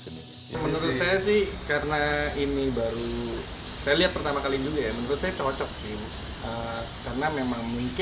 menurut saya sih karena ini baru saya lihat pertama kali juga ya menurut saya cocok sih karena memang mungkin